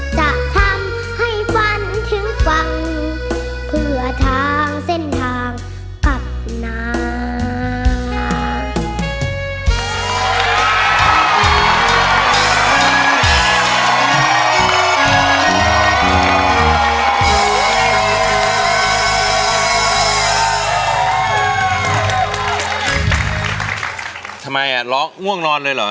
จะทำให้ฝันถึงฟังเพื่อทางเส้นทางตัดน้ำ